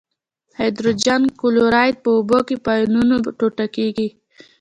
هایدروجن کلوراید په اوبو کې په آیونونو ټوټه کیږي.